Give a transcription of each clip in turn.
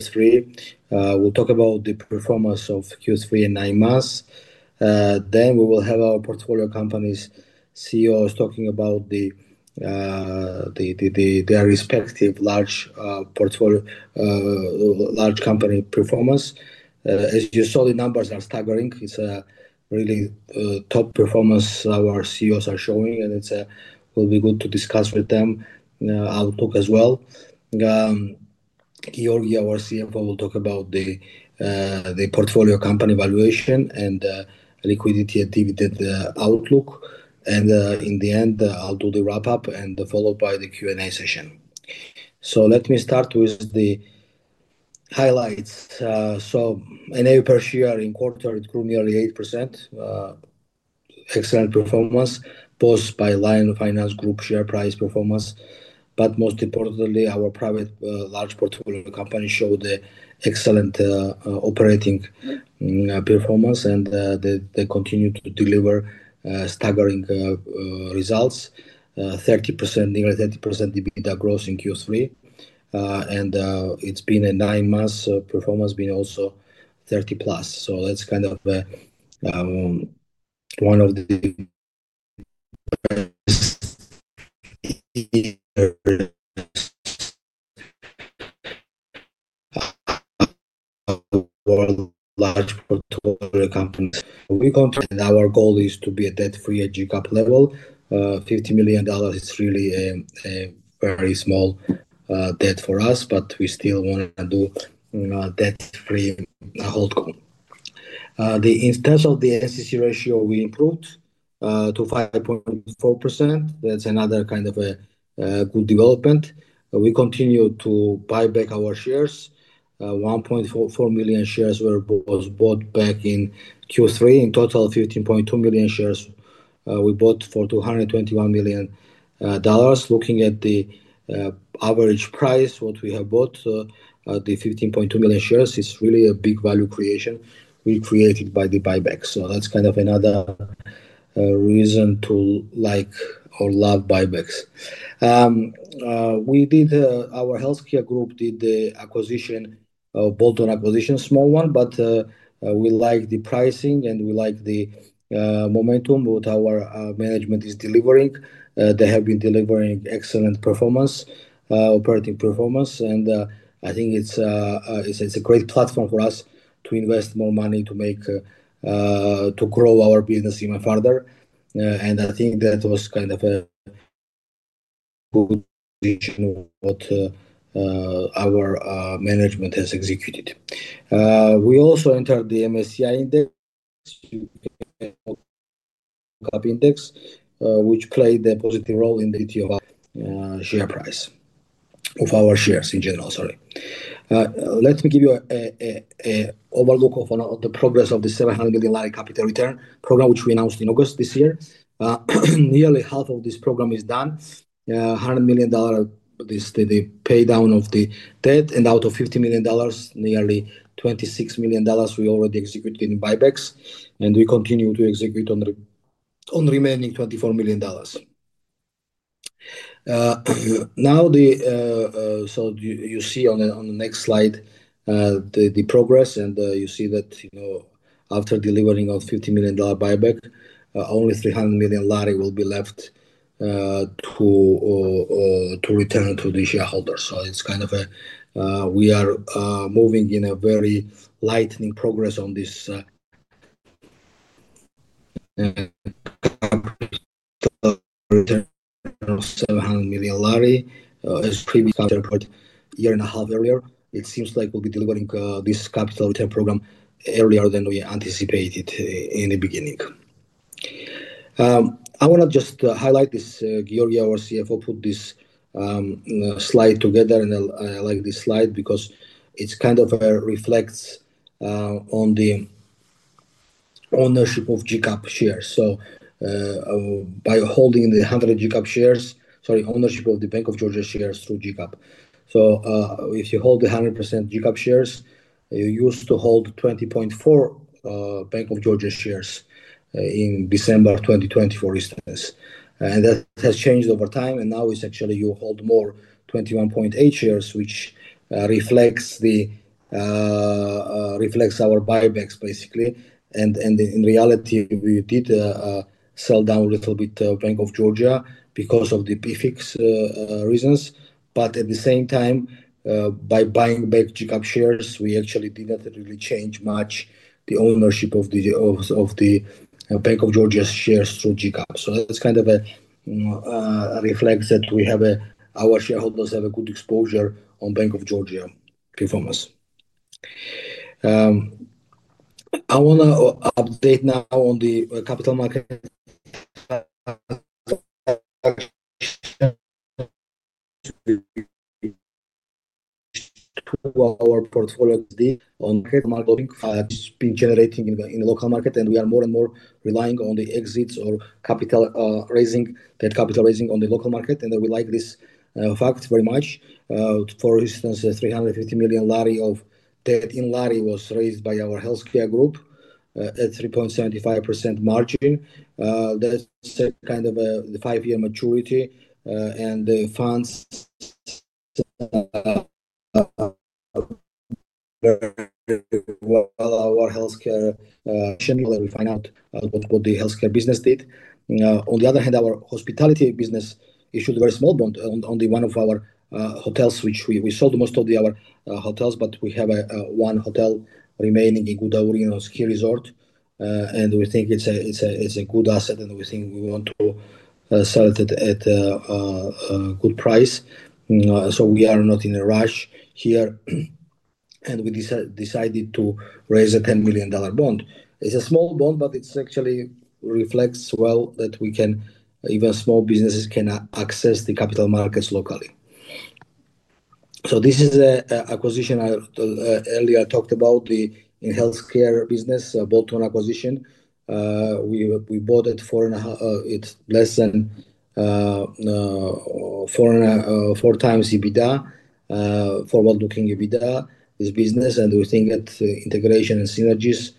Q3. We'll talk about the performance of Q3 in IMAS. Then we will have our portfolio companies' CEOs talking about their respective large portfolio, large company performance. As you saw, the numbers are staggering. It's a really top performance our CEOs are showing, and it will be good to discuss with them outlook as well. Giorgi, our CFO, will talk about the portfolio company valuation, liquidity, and dividend outlook. In the end, I'll do the wrap-up followed by the Q&A session. Let me start with the highlights. NAV per share in the quarter grew nearly 8%. Excellent performance was posted by Lion Finance Group share price performance. Most importantly, our private large portfolio companies showed excellent operating performance, and they continue to deliver staggering results. 30%, nearly 30% dividend growth in Q3, and it's been a nine-month performance being also 30+. That's kind of one of the world's large portfolio companies. We, and our goal is to be debt-free at GCAP level. $50 million is really a very small debt for us, but we still want to do debt-free holdco. In terms of the SEC ratio, we improved to 5.4%. That's another good development. We continue to buy back our shares. 1.4 million shares were bought back in Q3. In total, 15.2 million shares we bought for $221 million. Looking at the average price, what we have bought, the 15.2 million shares is really a big value creation we created by the buybacks. That's another reason to like or love buybacks. We did, our healthcare group did the acquisition, bolt-on acquisition, small one, but we like the pricing and we like the momentum our management is delivering. They have been delivering excellent performance, operating performance. I think it's a great platform for us to invest more money to grow our business even further. I think that was a good vision of what our management has executed. We also entered the MSCI index, GCAP index, which played a positive role in the share price of our shares in general. Let me give you an overlook of the progress of the GEL 700 million capital return program, which we announced in August this year. Nearly half of this program is done. $100 million is the paydown of the debt, and out of $50 million, nearly $26 million we already executed in buybacks, and we continue to execute on the remaining $24 million. Now, you see on the next slide the progress, and you see that after delivering our $50 million buyback, only $300 million will be left to return to the shareholders. It's kind of a, we are moving in a very lightning progress on this capital return of $700 million as previously reported a year and a half earlier. It seems like we'll be delivering this capital return program earlier than we anticipated in the beginning. I want to just highlight this. Giorgi, our CFO, put this slide together, and I like this slide because it kind of reflects on the ownership of GCAP shares. By holding the 100 GCAP shares, sorry, ownership of the Bank of Georgia shares through GCAP. If you hold the 100% GCAP shares, you used to hold 20.4 Bank of Georgia shares in December 2020, for instance. That has changed over time, and now it's actually you hold more, 21.8 shares, which reflects our buybacks, basically. In reality, we did sell down a little bit of Bank of Georgia because of the PIFIX reasons. At the same time, by buying back GCAP shares, we actually did not really change much the ownership of the Bank of Georgia shares through GCAP. That kind of reflects that our shareholders have a good exposure on Bank of Georgia performance. I want to update now on the capital market to our portfolio on market marketing has been generating in the local market, and we are more and more relying on the exits or capital raising, that capital raising on the local market. We like this fact very much. For instance, the GEL 350 million of debt in lari was raised by our healthcare group at 3.75% margin. That's a kind of a five-year maturity, and the funds are our healthcare, we find out what the healthcare business did. On the other hand, our hospitality business issued a very small bond on one of our hotels, which we sold most of our hotels, but we have one hotel remaining, a Gudauri Ski Resort. We think it's a good asset, and we think we want to sell it at a good price. We are not in a rush here. We decided to raise a $10 million bond. It's a small bond, but it actually reflects well that even small businesses can access the capital markets locally. This is an acquisition I earlier talked about in the healthcare business, a bolt-on acquisition. We bought it for less than 4x EBITDA, forward-looking EBITDA, this business. We think that integration and synergies,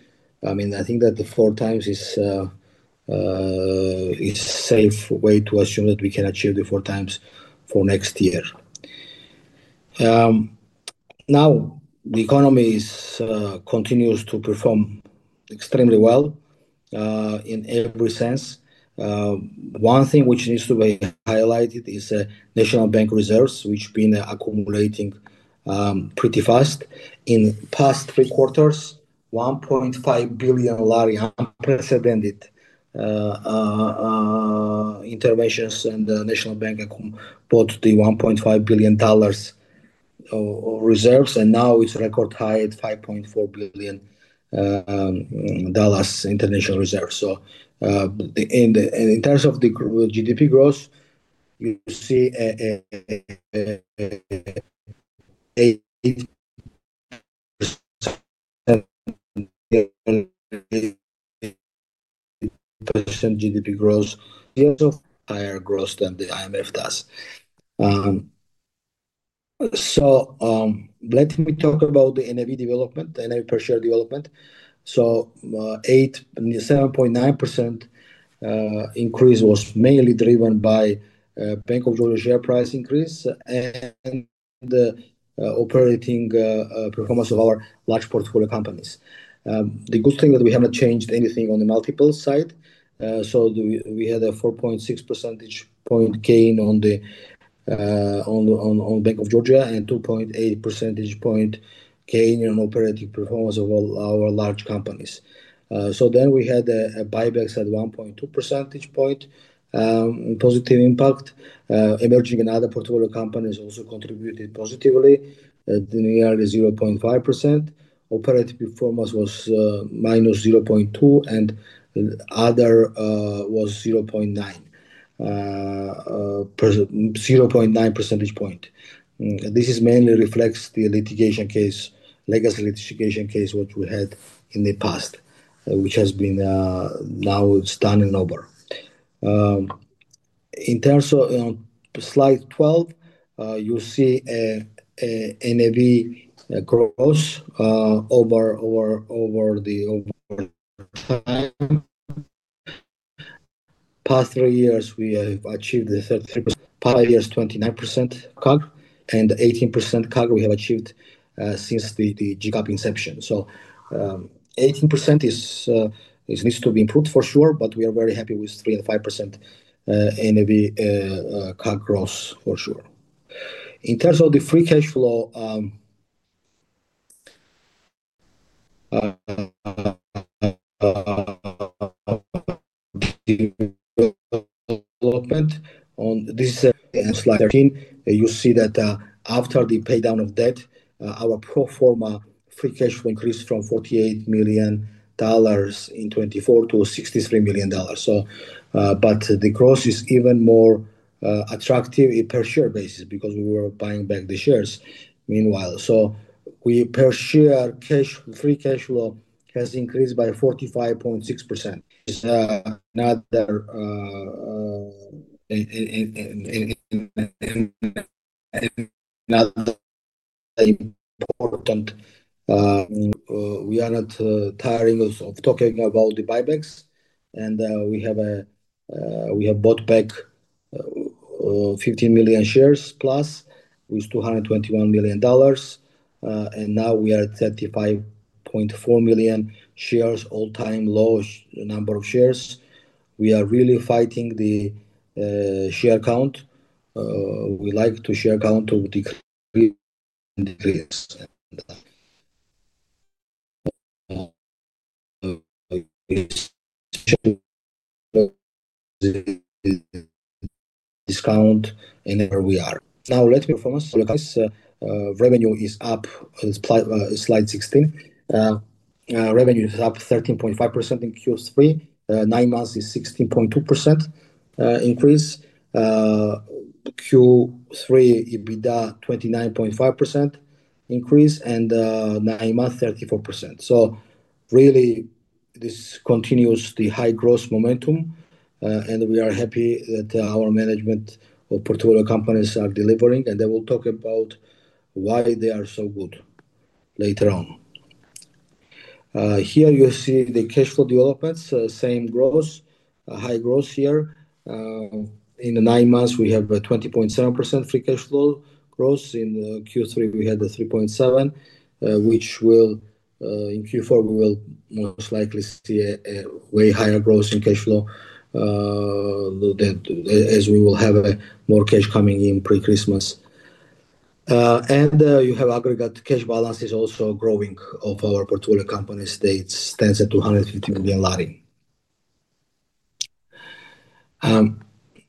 I mean, I think that the 4x is a safe way to assume that we can achieve the 4x for next year. The economy continues to perform extremely well, in every sense. One thing which needs to be highlighted is the National Bank reserves, which have been accumulating pretty fast. In the past three quarters, GEL 1.5 billion unprecedented interventions, and the National Bank bought the $1.5 billion of reserves, and now it's record high at $5.4 billion international reserves. In terms of the GDP growth, you see a 7% GDP growth. Years of higher growth than the IMF does. Let me talk about the NAV development, NAV per share development. A 7.9% increase was mainly driven by Bank of Georgia share price increase and the operating performance of our large portfolio companies. The good thing is that we have not changed anything on the multiple side. We had a 4.6 percentage point gain on the Bank of Georgia and 2.8 percentage point gain in operating performance of all our large companies. We had a buyback at 1.2 percentage point positive impact. Emerging in other portfolio companies also contributed positively, nearly 0.5%. Operating performance was -0.2, and the other was 0.9, 0.9 percentage point. This mainly reflects the litigation case, legacy litigation case, what we had in the past, which has been, now it's done and over. In terms of on slide 12, you see an NAV growth over time. Past three years, we have achieved the 33%. Five years, 29% CAC, and 18% CAC we have achieved since the GCAP inception. 18% needs to be improved for sure, but we are very happy with 3% and 5% NAV CAC growth for sure. In terms of the free cash flow development on this slide 13, you see that after the paydown of debt, our pro forma free cash flow increased from $48 million in 2024 to $63 million. The growth is even more attractive per share basis because we were buying back the shares meanwhile. Per share free cash flow has increased by 45.6%. It is another important. We are not tiring of talking about the buybacks. We have bought back 50+ million shares, which is $221 million. Now we are at 35.4 million shares, all-time low number of shares. We are really fighting the share count. We like the share count to decrease the discount anywhere we are. Let me performance. This, revenue is up. It's slide 16. Revenue is up 13.5% in Q3. Nine months is 16.2% increase. Q3 EBITDA 29.5% increase, and nine months 34%. This continues the high growth momentum. We are happy that our management of portfolio companies are delivering, and I will talk about why they are so good later on. Here you see the cash flow developments, same growth, high growth here. In the nine months, we have a 20.7% free cash flow growth. In Q3, we had a 3.7%, which, in Q4, we will most likely see a way higher growth in cash flow as we will have more cash coming in pre-Christmas. You have aggregate cash balances also growing of our portfolio companies that stands at GEL 250 million.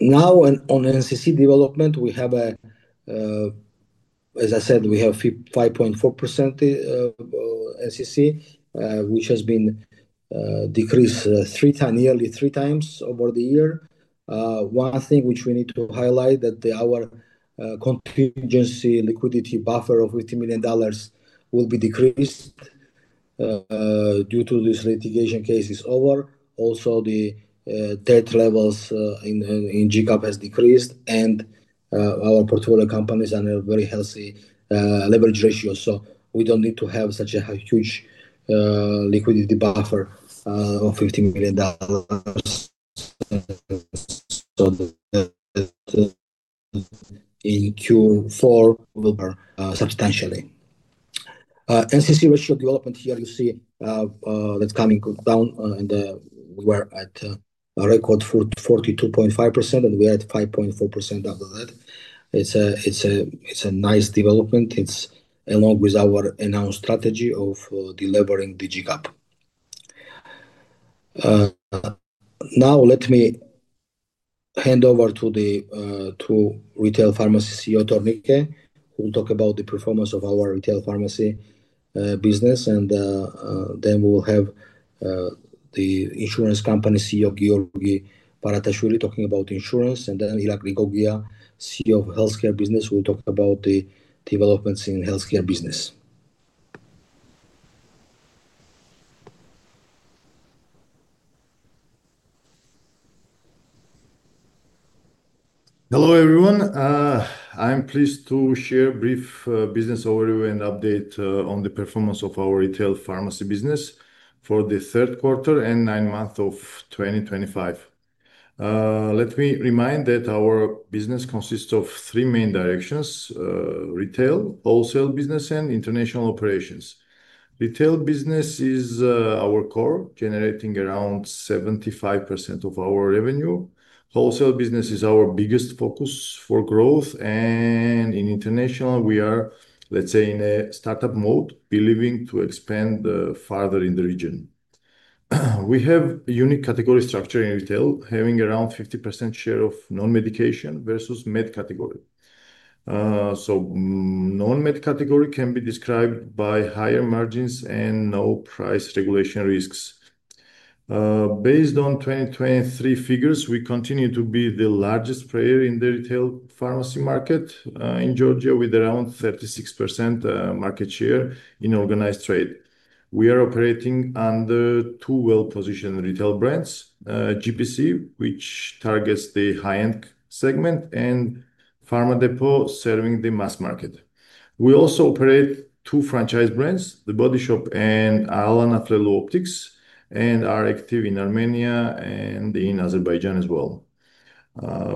Now, on NCC development, as I said, we have 5.4% NCC, which has been decreased nearly 3x over the year. One thing which we need to highlight is that our contingency liquidity buffer of $50 million will be decreased due to this litigation case being over. Also, the debt levels in Georgia Capital have decreased, and our portfolio companies are in a very healthy leverage ratio. We do not need to have such a huge liquidity buffer of $50 million. In Q4, we will substantially. NCC ratio development here, you see that's coming down, and we were at a record 42.5%, and we are at 5.4% after that. It's a nice development. It's along with our announced strategy of delivering the Georgia Capital. Now, let me hand over to the two Retail Pharmacy CEOs, who will talk about the performance of our retail pharmacy business. Then we will have the Insurance Company CEO, Giorgi Baratashvili, talking about insurance, and then Irakli Gogia, CEO of Healthcare Business, who will talk about the developments in healthcare business. Hello everyone. I'm pleased to share a brief business overview and update on the performance of our retail pharmacy business for the third quarter and nine months of 2025. Let me remind that our business consists of three main directions: retail, wholesale business, and international operations. Retail business is our core, generating around 75% of our revenue. Wholesale business is our biggest focus for growth. In international, we are, let's say, in a startup mode, believing to expand farther in the region. We have a unique category structure in retail, having around 50% share of non-medication versus med category. Non-med category can be described by higher margins and no price regulation risks. Based on 2023 figures, we continue to be the largest player in the retail pharmacy market in Georgia with around 36% market share in organized trade. We are operating under two well-positioned retail brands, GPC, which targets the high-end segment, and Pharma Depot, serving the mass market. We also operate two franchise brands, The Body Shop and [Alana Fleur Optics], and are active in Armenia and in Azerbaijan as well.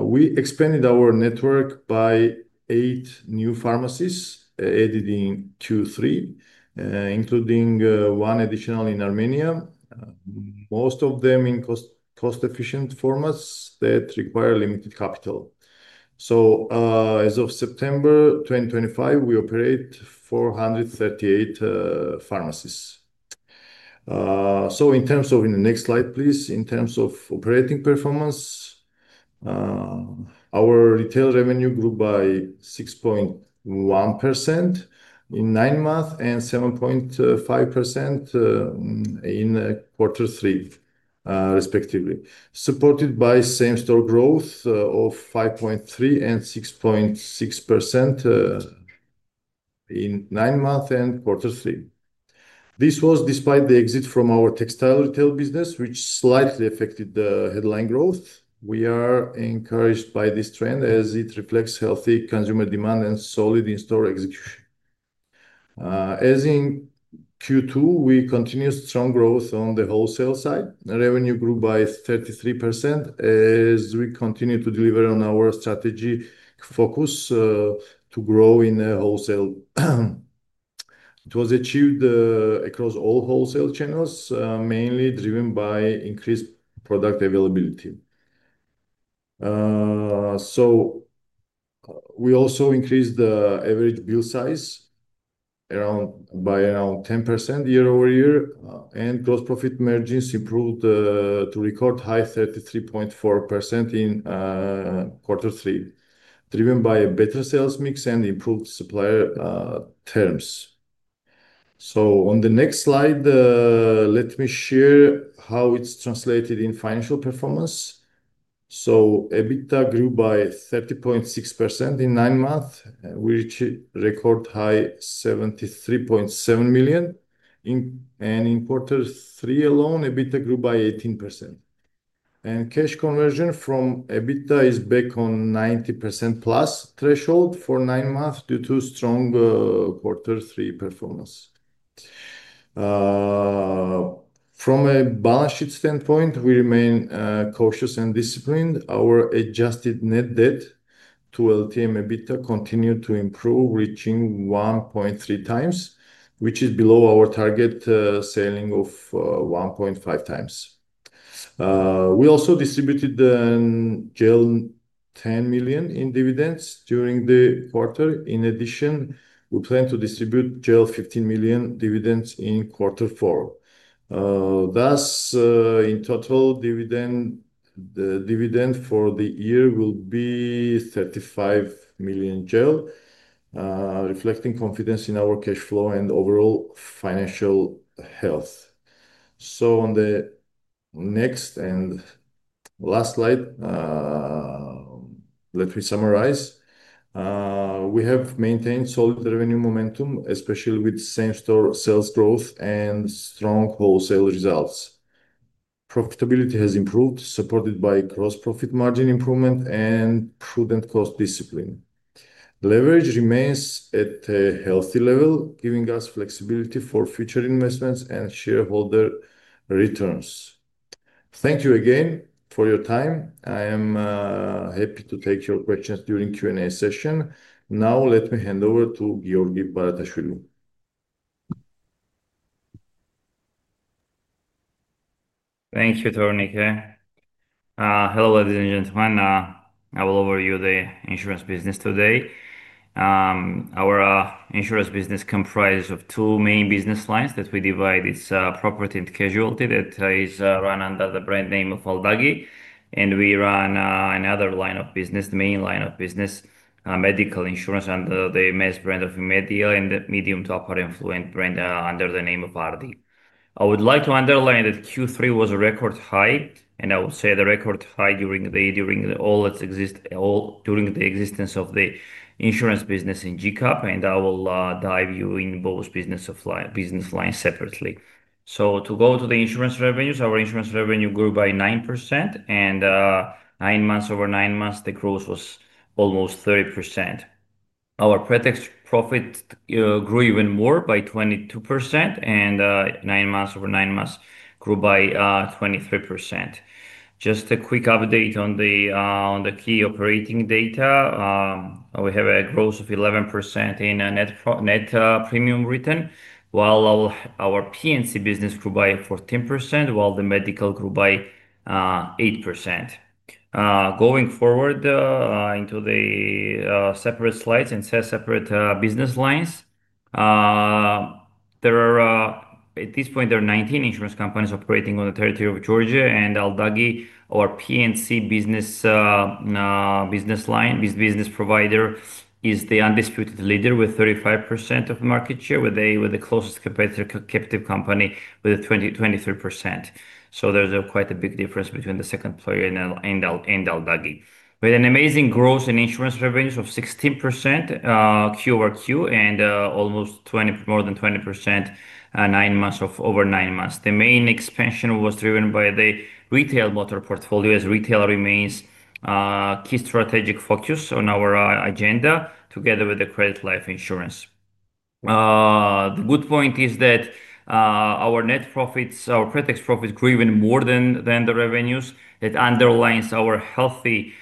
We expanded our network by eight new pharmacies added in Q3, including one additional in Armenia, most of them in cost-efficient formats that require limited capital. As of September 2025, we operate 438 pharmacies. In terms of operating performance, our retail revenue grew by 6.1% in nine months and 7.5% in quarter three, respectively, supported by same-store growth of 5.3% and 6.6% in nine months and quarter three. This was despite the exit from our textile retail business, which slightly affected the headline growth. We are encouraged by this trend as it reflects healthy consumer demand and solid in-store execution. As in Q2, we continue strong growth on the wholesale side. Revenue grew by 33% as we continue to deliver on our strategic focus to grow in wholesale. It was achieved across all wholesale channels, mainly driven by increased product availability. We also increased the average bill size by around 10% year-over-year, and gross profit margins improved to record high 33.4% in quarter three, driven by a better sales mix and improved supplier terms. On the next slide, let me share how it's translated in financial performance. EBITDA grew by 30.6% in nine months, with record high $73.7 million. In quarter three alone, EBITDA grew by 18%. Cash conversion from EBITDA is back on 90%+ threshold for nine months due to strong quarter three performance. From a balance sheet standpoint, we remain cautious and disciplined. Our adjusted net debt to LTM EBITDA continued to improve, reaching 1.3x, which is below our target ceiling of 1.5x. We also distributed GEL 10 million in dividends during the quarter. In addition, we plan to distribute GEL 15 million dividends in quarter four. In total, the dividend for the year will be GEL 35 million, reflecting confidence in our cash flow and overall financial health. On the next and last slide, let me summarize. We have maintained solid revenue momentum, especially with same-store sales growth and strong wholesale results. Profitability has improved, supported by gross margin improvement and prudent cost discipline. Leverage remains at a healthy level, giving us flexibility for future investments and shareholder returns. Thank you again for your time. I am happy to take your questions during the Q&A session. Now, let me hand over to Giorgi Baratashvili. Thank you, Tornike. Hello, ladies and gentlemen. I will overview the insurance business today. Our insurance business comprises two main business lines that we divide. It's property and casualty that is run under the brand name of Aldagi, and we run another line of business, the main line of business, medical insurance under the mass brand of Imedi L and the medium to upper-influent brand under the name of Ardi. I would like to underline that Q3 was a record high, and I would say the record high during all its existence of the insurance business in GCAP, and I will dive you in both business lines separately. To go to the insurance revenues, our insurance revenue grew by 9%, and nine months over nine months, the growth was almost 30%. Our pre-tax profit grew even more by 22%, and nine months over nine months grew by 23%. Just a quick update on the key operating data. We have a growth of 11% in net premium written, while our P&C business grew by 14%, while the medical grew by 8%. Going forward into the separate slides and separate business lines, at this point, there are 19 insurance companies operating on the territory of Georgia, and Aldagi, our P&C business line, business provider, is the undisputed leader with 35% of market share, with the closest competitive company with 23%. There's quite a big difference between the second player and Aldagi. We had an amazing growth in insurance revenues of 16% Q-over-Q and almost more than 20% nine months over nine months. The main expansion was driven by the retail motor portfolio as retail remains a key strategic focus on our agenda together with the credit life insurance. The good point is that our net profits, our pre-tax profits grew even more than the revenues that underline our healthy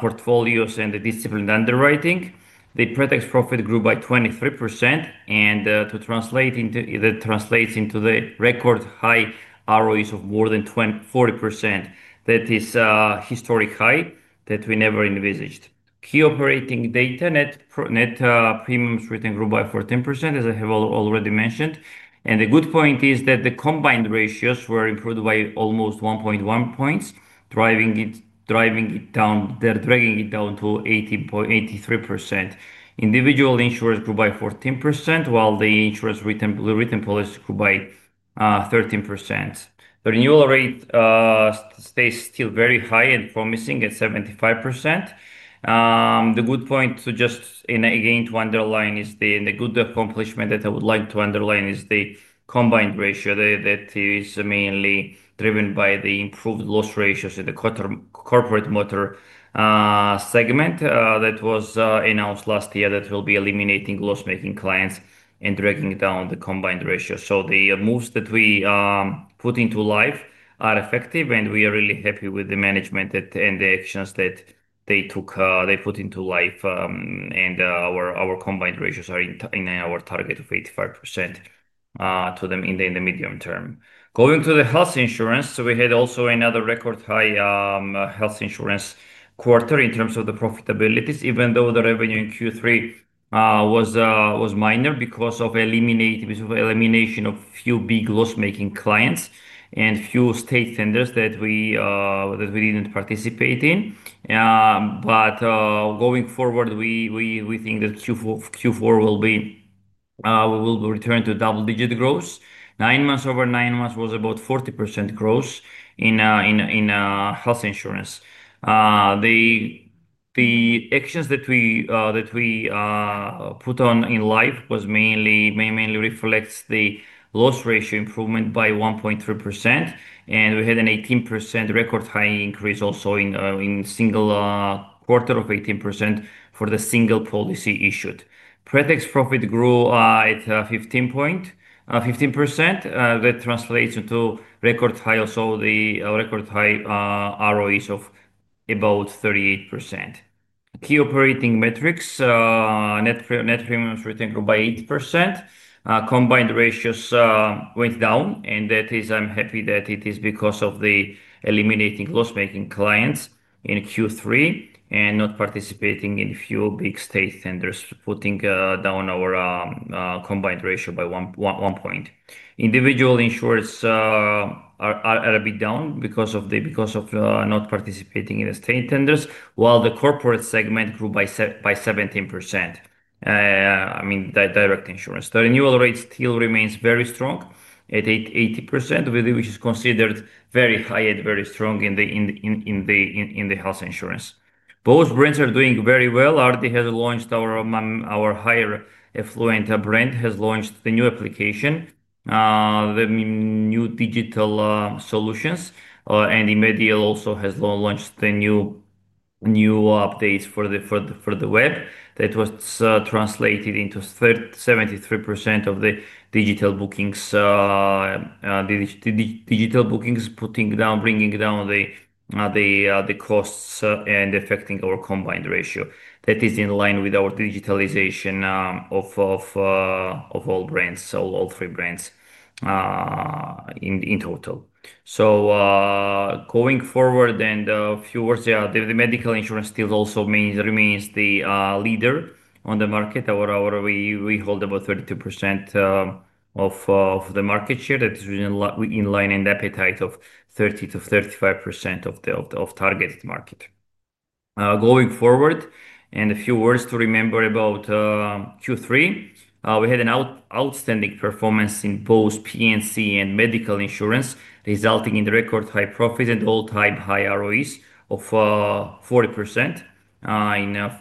portfolios and the disciplined underwriting. The pre-tax profit grew by 23%, and that translates into the record high ROEs of more than 40%. That is a historic high that we never envisaged. Key operating data, net premiums written grew by 14%, as I have already mentioned. The good point is that the combined ratios were improved by almost 1.1 points, driving it down, dragging it down to 83%. Individual insurance grew by 14%, while the insurance written policy grew by 13%. The renewal rate stays still very high and promising at 75%. The good point to underline is the good accomplishment that I would like to underline is the combined ratio that is mainly driven by the improved loss ratios in the corporate motor segment that was announced last year that will be eliminating loss-making clients and dragging down the combined ratio. The moves that we put into life are effective, and we are really happy with the management and the actions that they took, they put into life. Our combined ratios are in our target of 85% to them in the medium term. Going to the health insurance, we had also another record high health insurance quarter in terms of the profitabilities, even though the revenue in Q3 was minor because of elimination of a few big loss-making clients and a few state tenders that we didn't participate in. Going forward, we think that Q4 will be we will return to double-digit growth. Nine months over nine months was about 40% growth in health insurance. The actions that we put on in life mainly reflect the loss ratio improvement by 1.3%. We had an 18% record high increase also in a single quarter of 18% for the single policy issued. Pre-tax profit grew at 15%. That translates into record high, also the record high ROEs of about 38%. Key operating metrics, net premiums written grew by 8%. Combined ratios went down, and that is I'm happy that it is because of the eliminating loss-making clients in Q3 and not participating in a few big state tenders, putting down our combined ratio by one point. Individual insurers are a bit down because of not participating in the state tenders, while the corporate segment grew by 17%. I mean, the direct insurance. The renewal rate still remains very strong at 80%, which is considered very high and very strong in the health insurance. Both brands are doing very well. Ardi has launched our higher affluent brand, has launched the new application, the new digital solutions, and Imedi L also has launched the new updates for the web. That was translated into 73% of the digital bookings, putting down, bringing down the costs and affecting our combined ratio. That is in line with our digitalization of all brands, all three brands in total. Going forward, the medical insurance still also remains the leader on the market. We hold about 32% of the market share. That is in line and the appetite of 30%-35% of the targeted market. Going forward, and a few words to remember about Q3, we had an outstanding performance in both P&C and medical insurance, resulting in record high profits and all-time high ROEs of 40%,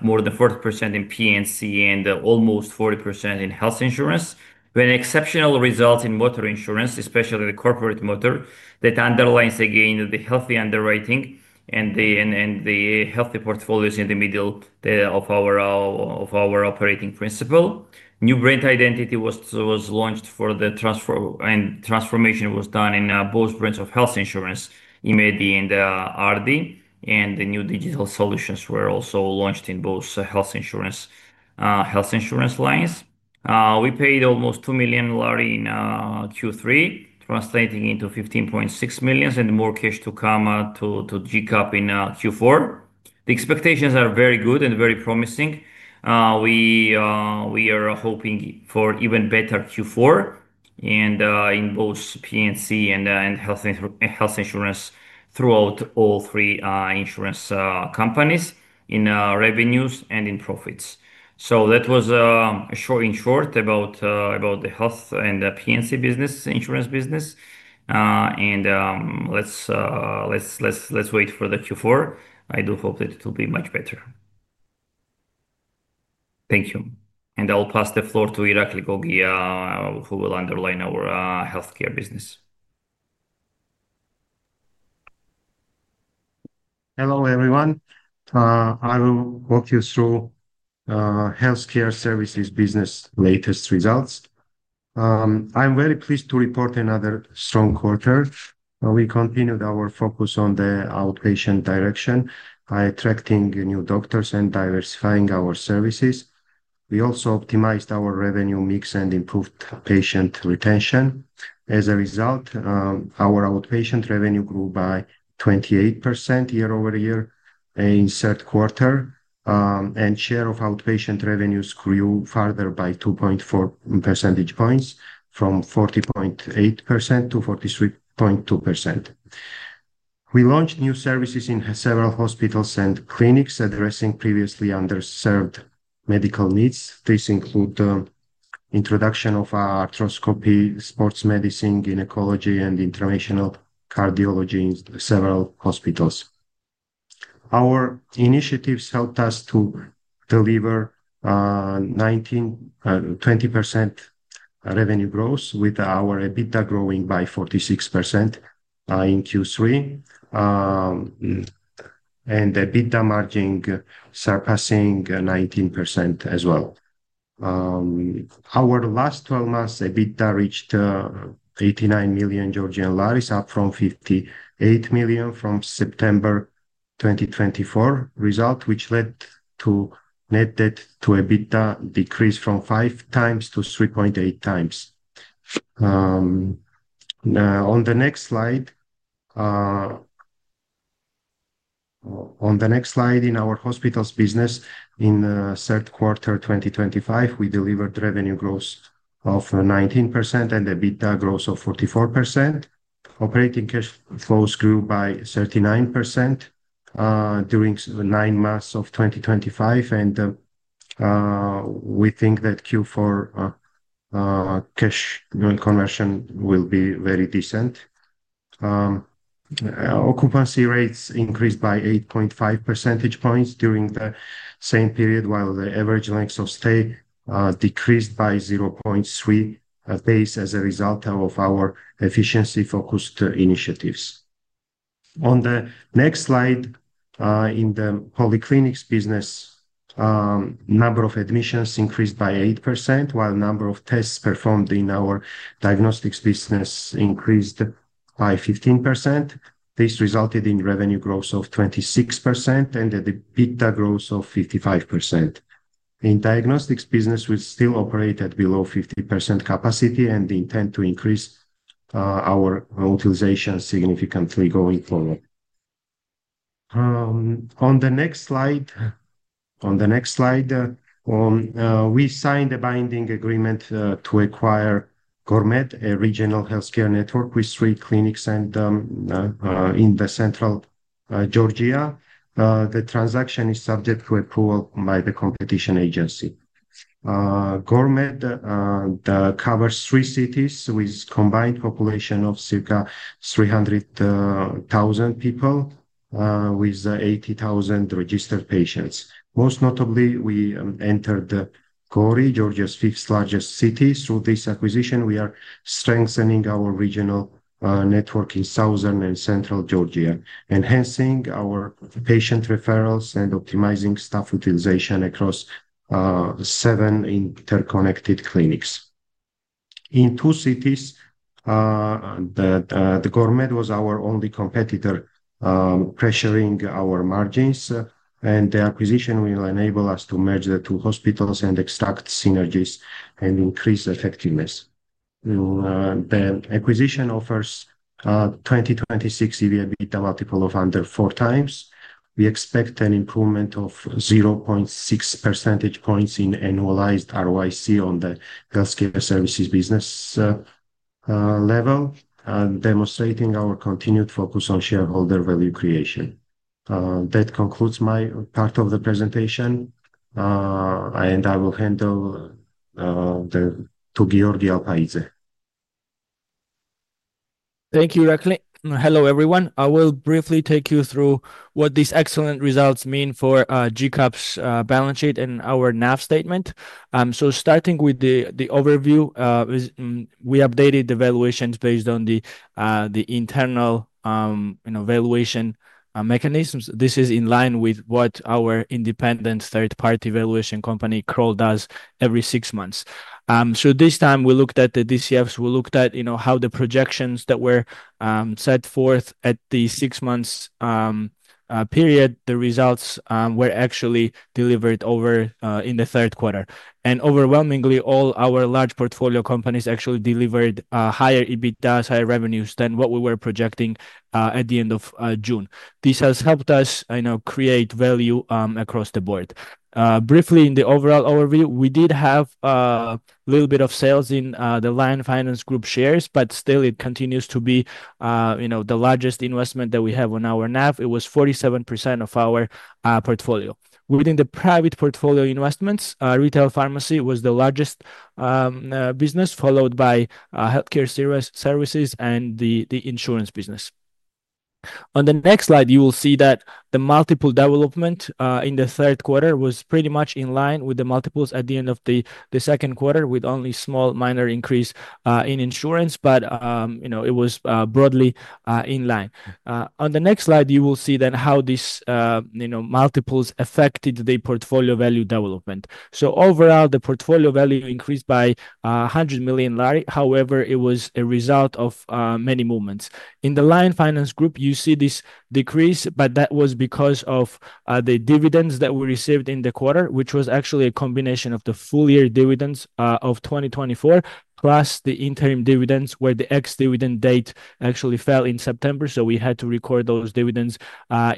more than 40% in P&C and almost 40% in health insurance, with an exceptional result in motor insurance, especially the corporate motor, that underlines again the healthy underwriting and the healthy portfolios in the middle of our operating principle. New brand identity was launched for the transfer, and transformation was done in both brands of health insurance, Imedi L and Ardi, and the new digital solutions were also launched in both health insurance lines. We paid almost GEL 2 million in Q3, translating into $15.6 million and more cash to come to GCAP in Q4. The expectations are very good and very promising. We are hoping for even better Q4 in both P&C and health insurance throughout all three insurance companies in revenues and in profits. That was a short and short about the health and P&C business, insurance business. Let's wait for the Q4. I do hope that it will be much better. Thank you. I'll pass the floor to Irakli Gogia, who will underline our healthcare business. Hello everyone. I will walk you through the healthcare services business latest results. I'm very pleased to report another strong quarter. We continued our focus on the outpatient direction by attracting new doctors and diversifying our services. We also optimized our revenue mix and improved patient retention. As a result, our outpatient revenue grew by 28% year-over-year in the third quarter, and share of outpatient revenues grew further by 2.4 percentage points from 40.8%-43.2%. We launched new services in several hospitals and clinics, addressing previously underserved medical needs. This includes the introduction of arthroscopy, sports medicine, gynecology, and interventional cardiology in several hospitals. Our initiatives helped us to deliver 19%, 20% revenue growth with our EBITDA growing by 46% in Q3 and EBITDA margin surpassing 19% as well. Our last 12 months EBITDA reached GEL 89 million, up from GEL 58 million from September 2024 result, which led to net debt to EBITDA decrease from 5x-3.8x. On the next slide, in our hospitals business in the third quarter 2025, we delivered revenue growth of 19% and EBITDA growth of 44%. Operating cash flows grew by 39% during nine months of 2025, and we think that Q4 cash conversion will be very decent. Occupancy rates increased by 8.5 percentage points during the same period, while the average length of stay decreased by 0.3 days as a result of our efficiency-focused initiatives. On the next slide, in the polyclinics business, the number of admissions increased by 8%, while the number of tests performed in our diagnostics business increased by 15%. This resulted in revenue growth of 26% and EBITDA growth of 55%. In diagnostics business, we still operate at below 50% capacity and intend to increase our utilization significantly going forward. On the next slide, we signed a binding agreement to acquire GORMED, a regional healthcare network with three clinics in central Georgia. The transaction is subject to approval by the competition agency. GORMED covers three cities with a combined population of circa 300,000 people with 80,000 registered patients. Most notably, we entered Gori, Georgia's fifth largest city. Through this acquisition, we are strengthening our regional network in Southern and Central Georgia, enhancing our patient referrals and optimizing staff utilization across seven interconnected clinics. In two cities, GORMED was our only competitor, pressuring our margins, and the acquisition will enable us to merge the two hospitals and extract synergies and increase effectiveness. The acquisition offers a 2026 EBITDA multiple of under 4x. We expect an improvement of 0.6 percentage points in annualized ROIC on the healthcare services business level, demonstrating our continued focus on shareholder value creation. That concludes my part of the presentation, and I will hand over to Giorgi Alpaidze. Thank you, Irakli. Hello everyone. I will briefly take you through what these excellent results mean for GCAP's balance sheet and our NAV statement. Starting with the overview, we updated the valuations based on the internal valuation mechanisms. This is in line with what our independent third-party valuation company, Kroll, does every six months. This time we looked at the DCFs. We looked at how the projections that were set forth at the six-month period, the results were actually delivered in the third quarter. Overwhelmingly, all our large portfolio companies actually delivered higher EBITDA, higher revenues than what we were projecting at the end of June. This has helped us create value across the board. Briefly, in the overall overview, we did have a little bit of sales in the Lion Finance Group shares, but still it continues to be the largest investment that we have on our NAV. It was 47% of our portfolio. Within the private portfolio investments, retail pharmacy was the largest business, followed by healthcare services and the insurance business. On the next slide, you will see that the multiple development in the third quarter was pretty much in line with the multiples at the end of the second quarter, with only a small minor increase in insurance, but it was broadly in line. On the next slide, you will see how these multiples affected the portfolio value development. Overall, the portfolio value increased by GEL 100 million. However, it was a result of many movements. In the Lion Finance Group, you see this decrease, but that was because of the dividends that we received in the quarter, which was actually a combination of the full-year dividends of 2024, plus the interim dividends where the ex-dividend date actually fell in September. We had to record those dividends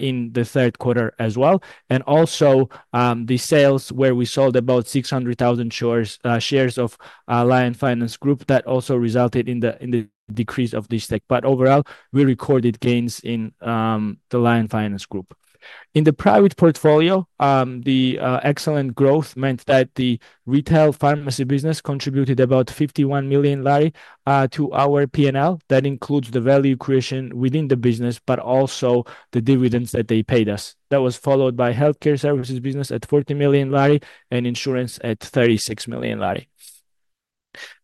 in the third quarter as well. Also, the sales where we sold about 600,000 shares of Lion Finance Group resulted in the decrease of this stake. Overall, we recorded gains in the Lion Finance Group. In the private portfolio, the excellent growth meant that the retail pharmacy business contributed about GEL 51 million to our P&L. That includes the value creation within the business, but also the dividends that they paid us. That was followed by healthcare services business at GEL 40 million and insurance at GEL 36 million.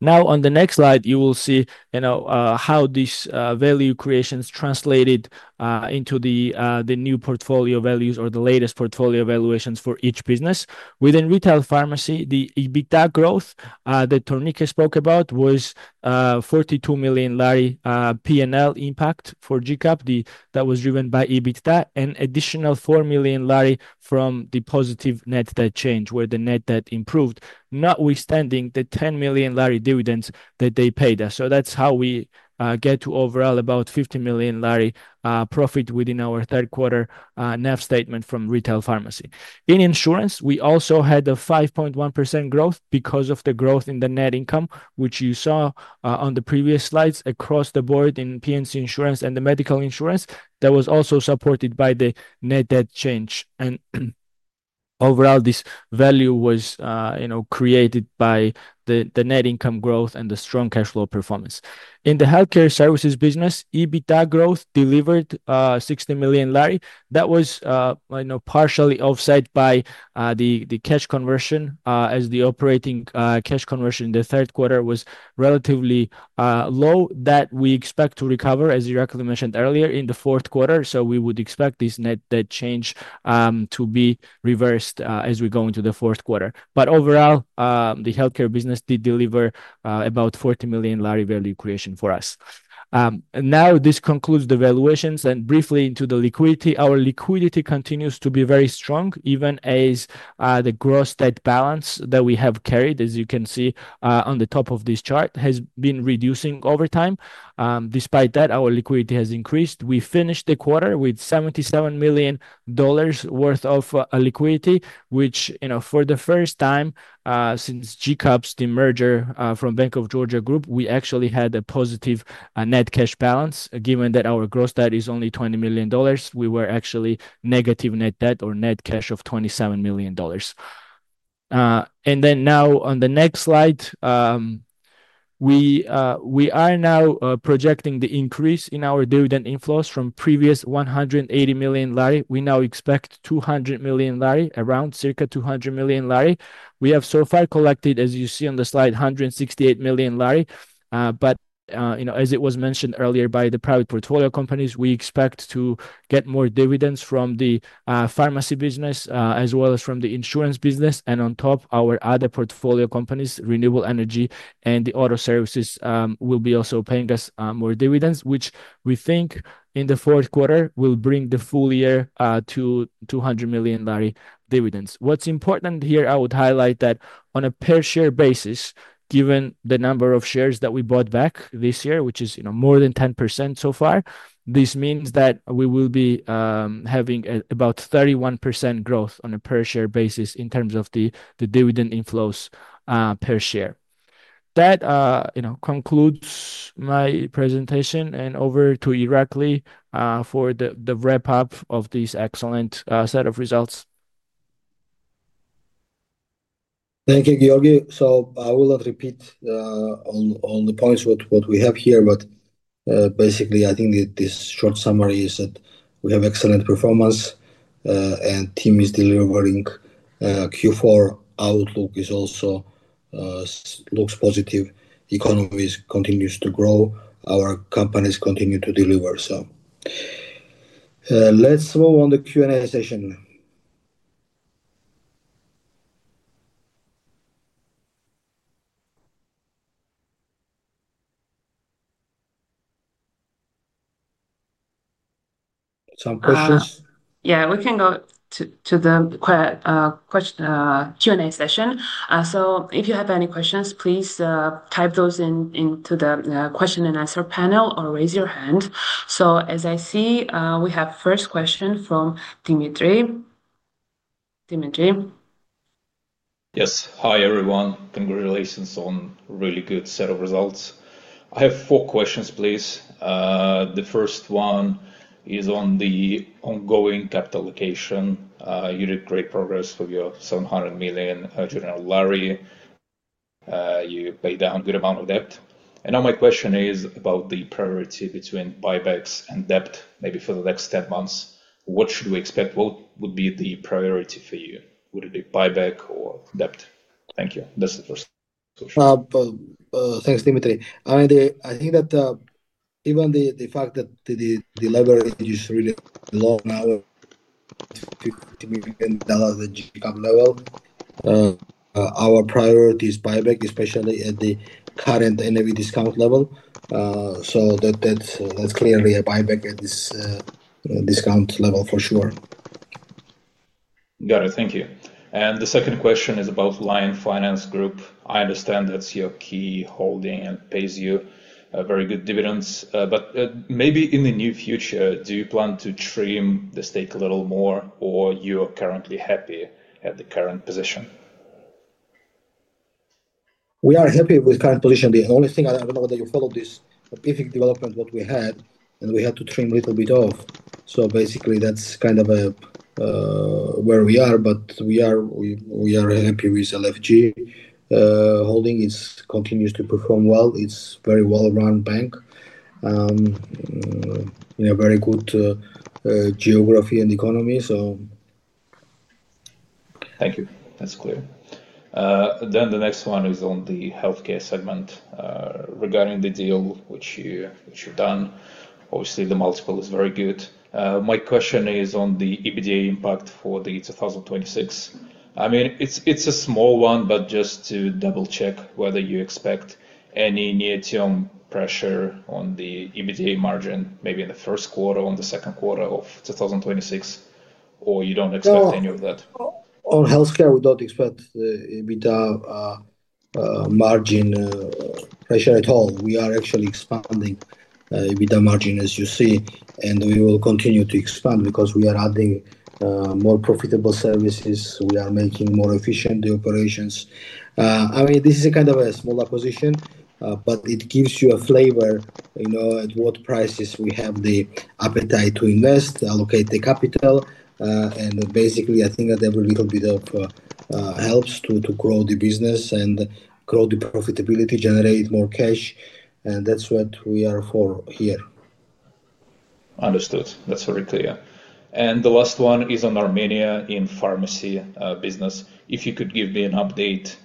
Now, on the next slide, you will see how these value creations translated into the new portfolio values or the latest portfolio valuations for each business. Within retail pharmacy, the EBITDA growth that Tornike spoke about was GEL 42 million P&L impact for GCAP that was driven by EBITDA and additional GEL 4 million from the positive net debt change where the net debt improved, notwithstanding the GEL 10 million dividends that they paid us. That's how we get to overall about GEL 50 million profit within our third quarter NAV statement from retail pharmacy. In insurance, we also had a 5.1% growth because of the growth in the net income, which you saw on the previous slides across the board in P&C insurance and the medical insurance that was also supported by the net debt change. Overall, this value was created by the net income growth and the strong cash flow performance. In the healthcare services business, EBITDA growth delivered GEL 60 million. That was partially offset by the cash conversion as the operating cash conversion in the third quarter was relatively low that we expect to recover, as Irakli mentioned earlier, in the fourth quarter. We would expect this net debt change to be reversed as we go into the fourth quarter. Overall, the healthcare business did deliver about GEL 40 million value creation for us. This concludes the valuations. Briefly into the liquidity, our liquidity continues to be very strong, even as the gross debt balance that we have carried, as you can see on the top of this chart, has been reducing over time. Despite that, our liquidity has increased. We finished the quarter with $77 million worth of liquidity, which for the first time since GCAP's merger from Bank of Georgia Group, we actually had a positive net cash balance. Given that our gross debt is only $20 million, we were actually negative net debt or net cash of $27 million. Now on the next slide, we are now projecting the increase in our dividend inflows from previous GEL 180 million. We now expect GEL 200 million, around circa GEL 200 million. We have so far collected, as you see on the slide, GEL 168 million. As it was mentioned earlier by the private portfolio companies, we expect to get more dividends from the pharmacy business as well as from the insurance business. On top, our other portfolio companies, renewable energy and the auto services, will also be paying us more dividends, which we think in the fourth quarter will bring the full year to GEL 200 million dividends. What's important here, I would highlight that on a per-share basis, given the number of shares that we bought back this year, which is more than 10% so far, this means that we will be having about 31% growth on a per-share basis in terms of the dividend inflows per share. That concludes my presentation and over to Irakli for the wrap-up of these excellent set of results. Thank you, Giorgi. I will not repeat the points we have here, but basically, I think that this short summary is that we have excellent performance and the team is delivering. Q4 outlook also looks positive. The economy continues to grow. Our companies continue to deliver. Let's move on to the Q&A session. Some questions? Yeah, we can go to the Q&A session. If you have any questions, please type those into the question-and-answer panel or raise your hand. As I see, we have a first question from Dimitry. Dimitry? Yes. Hi everyone. Congratulations on a really good set of results. I have four questions, please. The first one is on the ongoing capital allocation. You did great progress with your GEL 700 million capital return program. You paid down a good amount of debt. My question is about the priority between buybacks and debt, maybe for the next 10 months. What should we expect? What would be the priority for you? Would it be buyback or debt? Thank you. That's the first question. Thanks, Dimitry. I think that even the fact that the leverage is really low now, $50 million at GCAP level, our priority is buyback, especially at the current NAV discount level. That's clearly a buyback at this discount level for sure. Thank you. The second question is about Lion Finance Group. I understand that's your key holding and pays you very good dividends. Maybe in the near future, do you plan to trim the stake a little more, or are you currently happy at the current position? We are happy with the current position. The only thing, I don't know whether you followed this epiphany development, what we had, and we had to trim a little bit off. That's kind of where we are. We are happy with LFG holding. It continues to perform well. It's a very well-run bank in a very good geography and economy. Thank you. That's clear. The next one is on the healthcare segment regarding the deal which you've done. Obviously, the multiple is very good. My question is on the EBITDA impact for 2026. I mean, it's a small one, but just to double-check whether you expect any near-term pressure on the EBITDA margin, maybe in the first quarter or in the second quarter of 2026, or you don't expect any of that. For healthcare, we don't expect the EBITDA margin pressure at all. We are actually expanding EBITDA margin, as you see, and we will continue to expand because we are adding more profitable services. We are making more efficient operations. This is a kind of a smaller position, but it gives you a flavor at what prices we have the appetite to invest, allocate the capital. I think that every little bit helps to grow the business and grow the profitability, generate more cash. That's what we are for here. Understood. That's very clear. The last one is on Armenia in the pharmacy business. If you could give me an update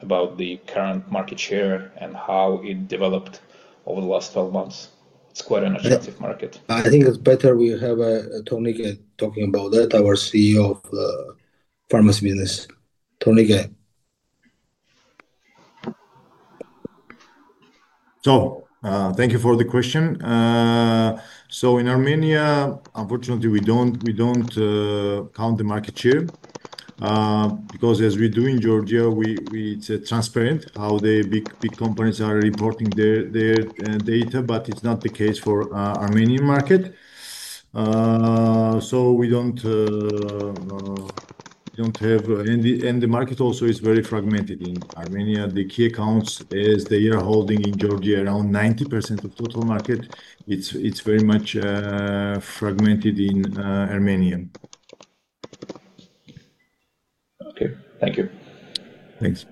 about the current market share and how it developed over the last 12 months, it's quite an attractive market. I think it's better we have Tornike talking about that, our CEO of the pharmacy business. Tornike. Thank you for the question. In Armenia, unfortunately, we don't count the market share because as we do in Georgia, it's transparent how the big companies are reporting their data, but it's not the case for the Armenian market. We don't have any market. Also, it's very fragmented in Armenia. The key accounts, as they are holding in Georgia, around 90% of the total market. It's very much fragmented in Armenia. Okay, thank you. Thanks.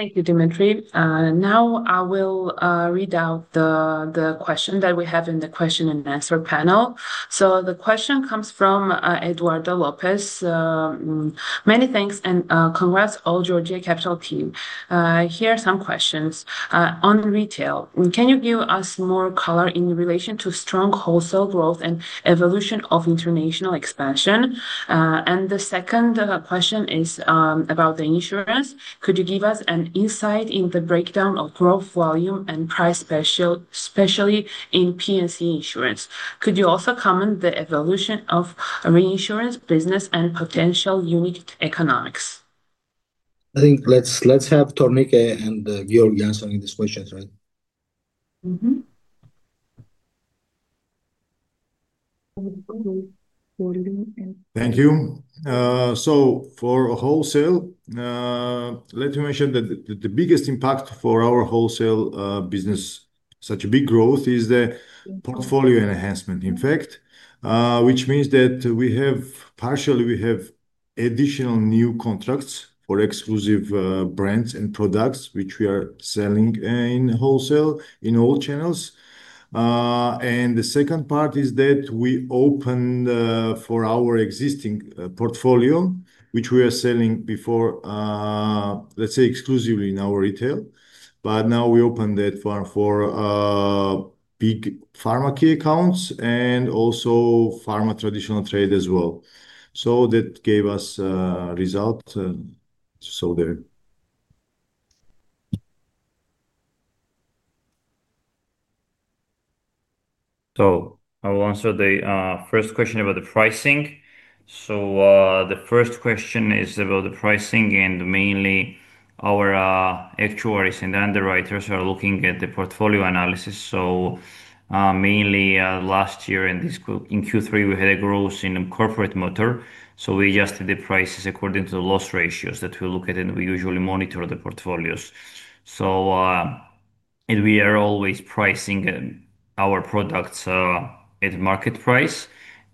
Thank you, Dimitry. Now I will read out the question that we have in the question-and-answer panel. The question comes from Eduardo Lopez. Many thanks and congrats to all Georgia Capital team. Here are some questions. On retail, can you give us more color in relation to strong wholesale growth and evolution of international expansion? The second question is about the insurance. Could you give us an insight in the breakdown of growth volume and price, especially in P&C insurance? Could you also comment the evolution of reinsurance business and potential unique economics? I think let's have Tornike and Giorgi answering this question, right? Thank you. For wholesale, let me mention that the biggest impact for our wholesale business, such a big growth, is the portfolio enhancement, in fact, which means that we have additional new contracts for exclusive brands and products which we are selling in wholesale in all channels. The second part is that we opened for our existing portfolio, which we were selling before, let's say, exclusively in our retail. Now we opened that for big pharmacy accounts and also pharma traditional trade as well. That gave us a result. I'll answer the first question about the pricing. The first question is about the pricing, and mainly our actuaries and underwriters are looking at the portfolio analysis. Mainly last year in Q3, we had a growth in corporate motor. We adjusted the prices according to the loss ratios that we look at, and we usually monitor the portfolios. We are always pricing our products at market price,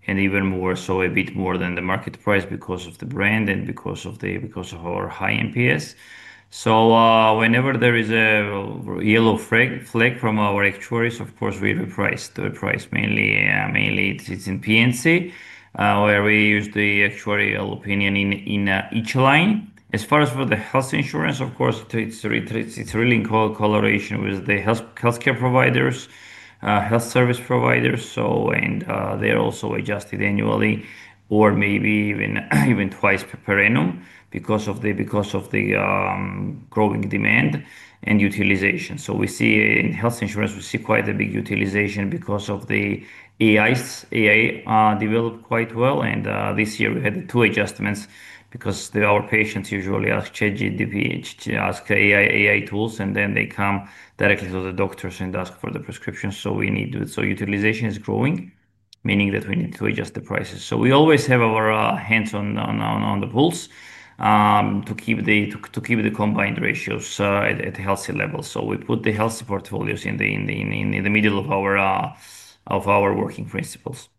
and even more so, a bit more than the market price because of the brand and because of our high NPS. Whenever there is a yellow flag from our actuaries, of course, we reprice the price. Mainly, it's in P&C where we use the actuarial opinion in each line. As far as for the health insurance, it's really in collaboration with the healthcare providers, health service providers. They're also adjusted annually or maybe even twice per annum because of the growing demand and utilization. We see in health insurance, we see quite a big utilization because the AI developed quite well. This year, we had two adjustments because our patients usually ask ChatGPT to ask AI tools, and then they come directly to the doctors and ask for the prescription. Utilization is growing, meaning that we need to adjust the prices. We always have our hands on the pulse to keep the combined ratios at a healthy level. We put the healthy portfolios in the middle of our working principles.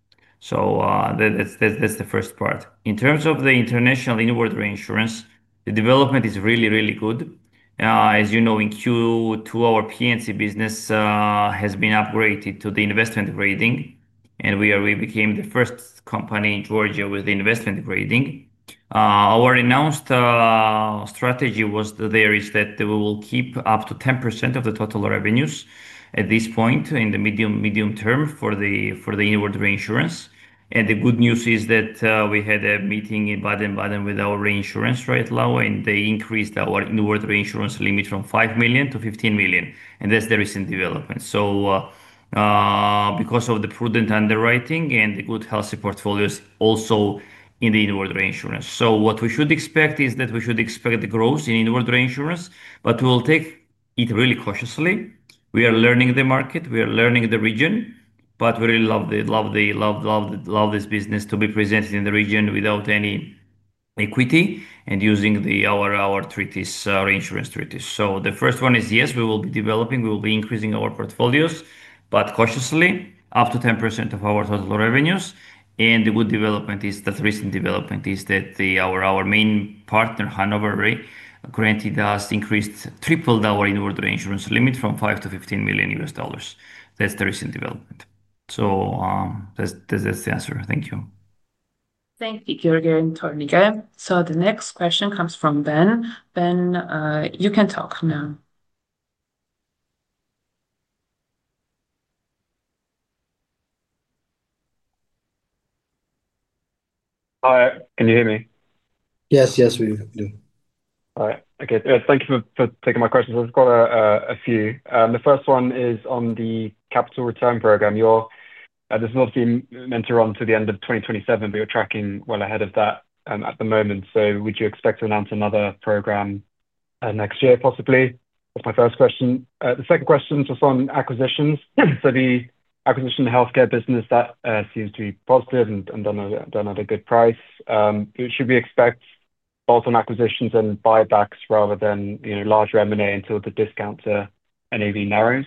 That's the first part. In terms of the international inventory insurance, the development is really, really good. As you know, in Q2, our P&C business has been upgraded to the investment grading, and we became the first company in Georgia with the investment grading. Our announced strategy was that we will keep up to 10% of the total revenues at this point in the medium term for the inventory insurance. The good news is that we had a meeting in Baden-Baden with our reinsurance right now, and they increased our inventory insurance limit from $5 million-$15 million. That's the recent development. Because of the prudent underwriting and the good healthy portfolios also in the inventory insurance, what we should expect is that we should expect growth in inventory insurance, but we will take it really cautiously. We are learning the market. We are learning the region, but we really love this business to be presented in the region without any equity and using our insurance treaties. The first one is, yes, we will be developing. We will be increasing our portfolios, but cautiously, up to 10% of our total revenues. The good development is that the recent development is that our main partner, Hanover Re, granted us increased, tripled our inventory insurance limit from $5 million-$15 million. That's the recent development. That's the answer. Thank you. Thank you, Giorgi and Tornike. The next question comes from Ben. Ben, you can talk now. Hi, can you hear me? Yes, yes, we do. All right. Okay. Thank you for taking my questions. I'll just call a few. The first one is on the capital return program. This is obviously meant to run to the end of 2027, but you're tracking well ahead of that at the moment. Would you expect to announce another program next year, possibly? That's my first question. The second question is on acquisitions. The acquisition of the healthcare business seems to be positive and done at a good price. Should we expect bolt-on acquisitions and buybacks rather than larger M&A until the discount to NAV narrows?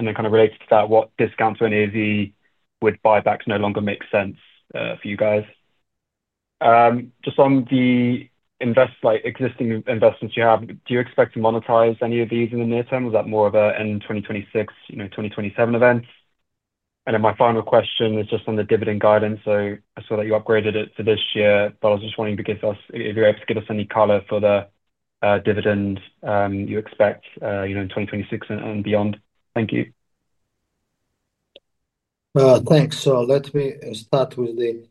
Kind of related to that, at what discount to NAV would buybacks no longer make sense for you guys? Just on the existing investments you have, do you expect to monetize any of these in the near term? Is that more of a 2026, 2027 event? My final question is just on the dividend guidance. I saw that you upgraded it this year, but I was just wanting to get if you're able to give us any color for the dividend you expect in 2026 and beyond. Thank you. Thank you. Let me start with the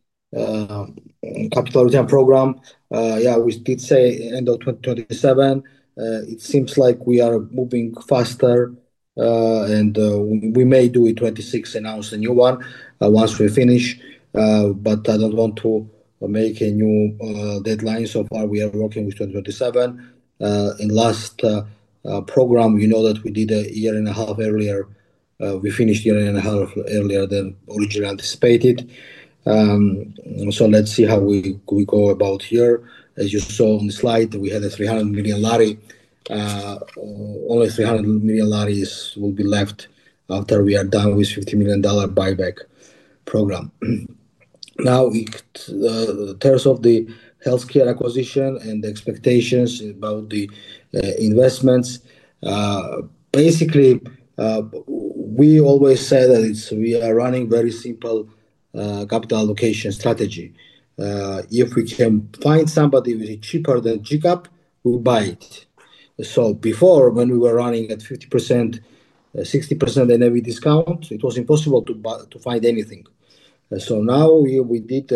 capital return program. We did say end of 2027. It seems like we are moving faster, and we may do it in 2026, announce a new one once we finish. I don't want to make a new deadline. So far, we are working with 2027. In the last program, you know that we did a year and a half earlier. We finished a year and a half earlier than originally anticipated. Let's see how we go about here. As you saw on the slide, we had GEL 300 million. Only GEL 300 million will be left after we are done with the $50 million buyback program. Now, in terms of the healthcare acquisition and the expectations about the investments, basically, we always say that we are running a very simple capital allocation strategy. If we can find somebody who is cheaper than GCAP, we'll buy it. Before, when we were running at 50%, 60% NAV discount, it was impossible to find anything. Now we did,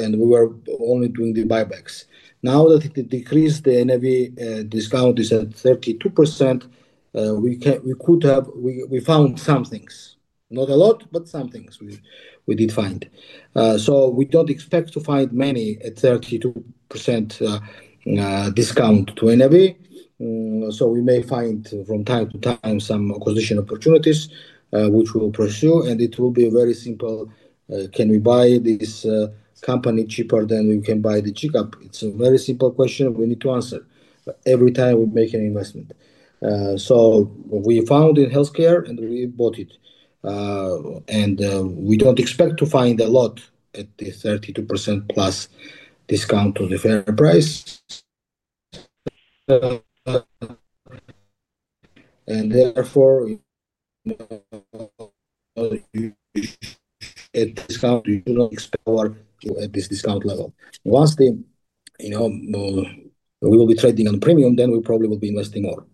and we were only doing the buybacks. Now that it decreased, the NAV discount is at 32%. We could have, we found some things, not a lot, but some things we did find. We don't expect to find many at 32% discount to NAV. We may find from time to time some acquisition opportunities, which we'll pursue, and it will be very simple. Can we buy this company cheaper than we can buy the GCAP? It's a very simple question we need to answer every time we make an investment. We found in healthcare, and we bought it. We don't expect to find a lot at the 32%+ discount to the fair price. Therefore, at this point, you do not expect to at this discount level. Once we will be trading on premium, then we probably will be investing more.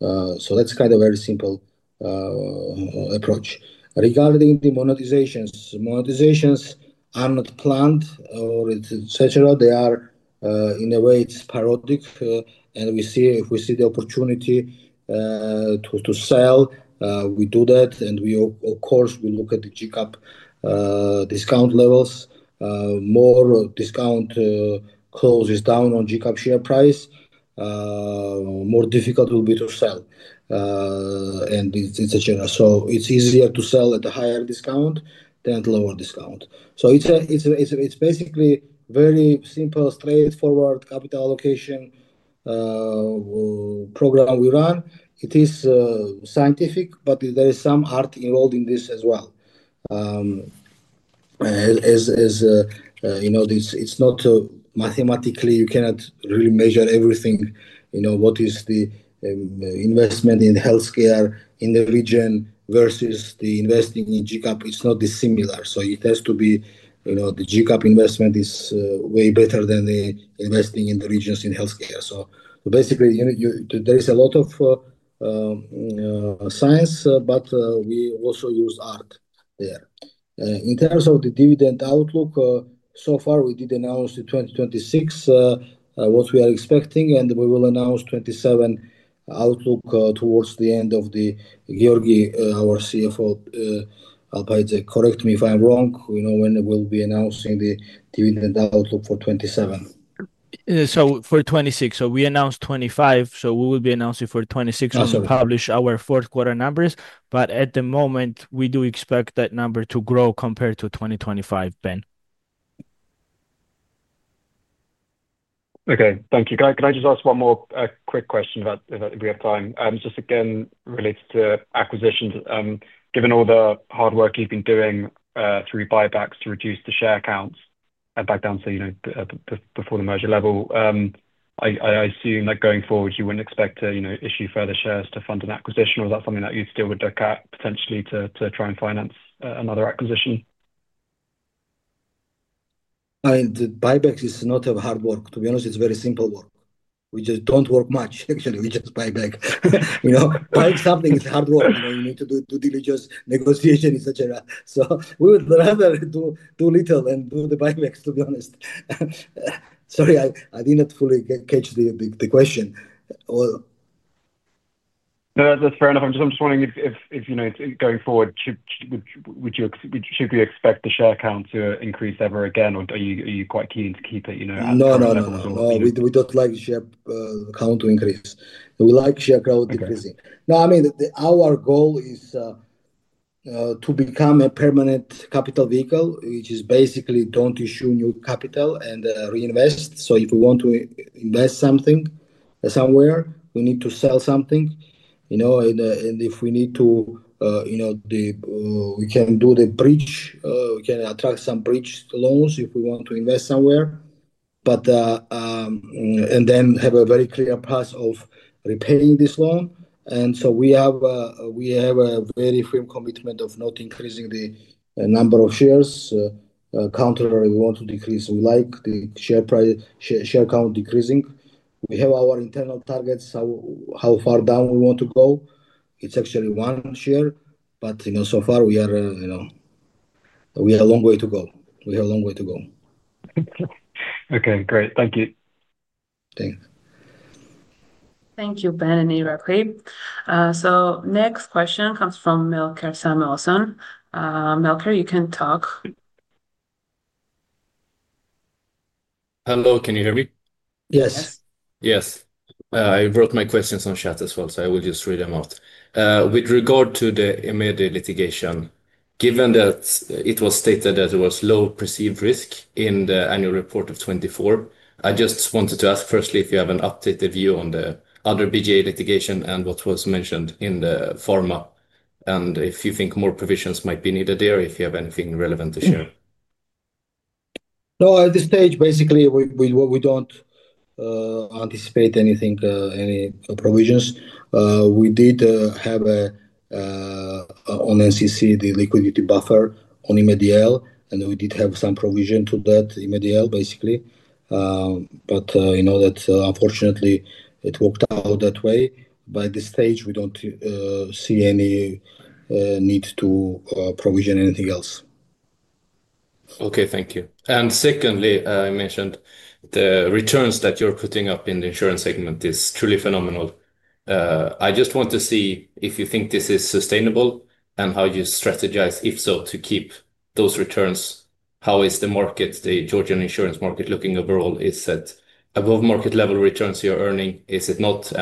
That's kind of a very simple approach. Regarding the monetizations, monetizations are not planned or etc. They are, in a way, it's periodic. If we see the opportunity to sell, we do that. Of course, we look at the GCAP discount levels. More discount closes down on GCAP share price, more difficult it will be to sell. It's easier to sell at a higher discount than at a lower discount. It's basically a very simple, straightforward capital allocation program we run. It is scientific, but there is some art involved in this as well. As you know, it's not mathematically, you cannot really measure everything. You know, what is the investment in healthcare in the region versus the investing in GCAP? It's not dissimilar. It has to be, you know, the GCAP investment is way better than investing in the regions in healthcare. Basically, there is a lot of science, but we also use art there. In terms of the dividend outlook, so far, we did announce in 2026 what we are expecting, and we will announce 2027 outlook towards the end of the, our CFO, Giorgi Alpaidze. Correct me if I'm wrong. You know when we'll be announcing the dividend outlook for 2027. We announced 2025. We will be announcing for 2026 when we publish our fourth quarter numbers. At the moment, we do expect that number to grow compared to 2025, Ben. Okay. Thank you. Can I just ask one more quick question about if we have time? Just again, related to acquisitions, given all the hard work you've been doing through buybacks to reduce the share counts and back down to, you know, before the merger level, I assume that going forward, you wouldn't expect to, you know, issue further shares to fund an acquisition, or is that something that you'd still look at potentially to try and finance another acquisition? I mean, the buybacks is not hard work. To be honest, it's very simple work. We just don't work much, actually. We just buy back. Buying something is hard work. You know, you need to do due diligence, negotiation, etc. We would rather do little and do the buybacks, to be honest. Sorry, I did not fully catch the question. No, that's fair enough. I'm just wondering if, you know, going forward, should we expect the share count to increase ever again, or are you quite keen to keep it? No, no, no, no, no. We don't like the share count to increase. We like the share count decreasing. I mean, our goal is to become a permanent capital vehicle, which is basically don't issue new capital and reinvest. If we want to invest something somewhere, we need to sell something. If we need to, we can do the bridge. We can attract some bridge loans if we want to invest somewhere, and then have a very clear path of repaying this loan. We have a very firm commitment of not increasing the number of shares. Contrary, we want to decrease. We like the share price, share count decreasing. We have our internal targets how far down we want to go. It's actually one share, but so far, we are, you know, we have a long way to go. We have a long way to go. Okay, great. Thank you. Thanks. Thank you, Ben and Irakli. The next question comes from Melker Samuelson. Melker, you can talk. Hello. Can you hear me? Yes. Yes. I wrote my questions on chat as well, so I will just read them out. With regard to the Imedi L litigation, given that it was stated that there was low perceived risk in the annual report of 2024, I just wanted to ask firstly if you have an updated view on the other BGA litigation and what was mentioned in the pharmacy, and if you think more provisions might be needed there, if you have anything relevant to share. No, at this stage, basically, we don't anticipate anything, any provisions. We did have on NCC the liquidity buffer on Imedi L, and we did have some provision to that Imedi L, basically. You know that unfortunately, it worked out that way. At this stage, we don't see any need to provision anything else. Okay. Thank you. Secondly, I mentioned the returns that you're putting up in the insurance segment is truly phenomenal. I just want to see if you think this is sustainable and how you strategize, if so, to keep those returns. How is the market, the Georgian insurance market, looking overall? Is it above market level returns you're earning? Is it not?